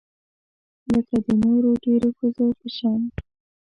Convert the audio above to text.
لکه د نورو ډیرو ښځو په شان